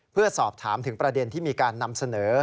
เพื่อสอบถามถึงประเด็นที่มีการนำเสนอ